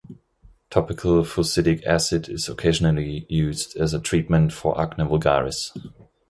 Topical fusidic acid is occasionally used as a treatment for acne vulgaris.